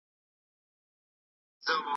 سیاست د یو علم په توګه ومنئ.